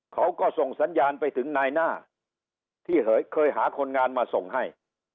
เขาก็ส่งสัญญาณไปถึงนายหน้าที่เคยหาคนงานมาส่งให้